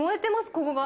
ここが。